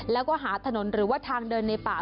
แล้วก็หาถนนหรือว่าทางเดินในป่า